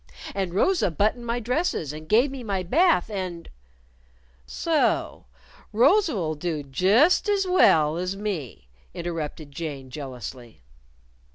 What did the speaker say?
And Rosa buttoned my dresses and gave me my bath, and " "So Rosa'll do just as well as me," interrupted Jane, jealously.